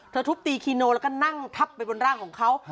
ทุบตีคีโนแล้วก็นั่งทับไปบนร่างของเขา